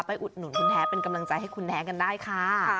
อุดหนุนคุณแท้เป็นกำลังใจให้คุณแท้กันได้ค่ะ